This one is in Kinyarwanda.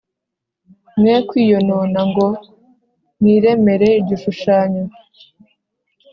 mwe kwiyonona ngo mwiremere igishushanyo